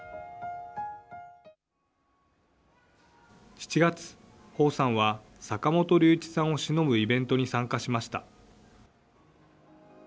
７月、彭さんは、坂本龍一さんをしのぶイベントに参加しました。